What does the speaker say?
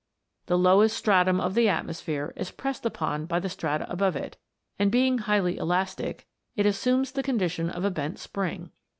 The lowest stratum of the atmosphere is pressed upon by the strata above it, and being highly elastic, it assumes the condition of a bent spring.